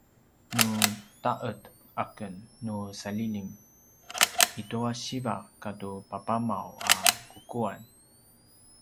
nu ta’ed aken nu salilim i tua siva katu papamaw a kukuan